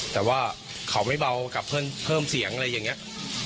แต่ว่าเขาไม่เบากับเพิ่มเสียงอะไรอย่างนี้